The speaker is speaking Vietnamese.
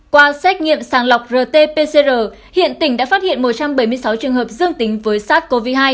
qua xét nghiệm sàng lọc rt pcr hiện tỉnh đã phát hiện một trăm bảy mươi sáu trường hợp dương tính với sars cov hai